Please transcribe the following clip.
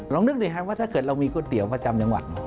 นึกดีครับว่าถ้าเกิดเรามีก๋วยเตี๋ยวประจำจังหวัด